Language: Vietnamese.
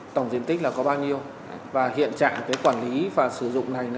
tổng diện tích là có bao nhiêu và hiện trạng cái quản lý và sử dụng này nó như thế nào